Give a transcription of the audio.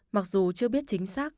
mặc dù chưa biết chính xác